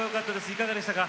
いかがでしたか？